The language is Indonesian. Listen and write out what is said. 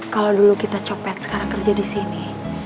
kalau dulu kita copet sekarang kerja di sini